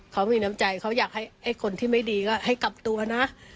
เขามีน้ำใจเขาอยากให้คนที่ไม่ดีก็ให้กลับตัวนะ